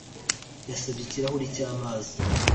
Yasabye ikirahuri cyamazi